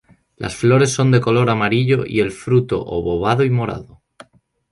Las flores son de color amarillo y el fruto obovado y morado.